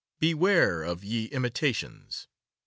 Beware of Ye Imitationes.